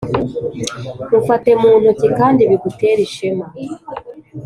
mufate mu ntoki kandi bigutere ishema